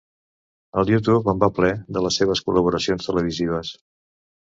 El YouTube en va ple, de les seves col·laboracions televisives.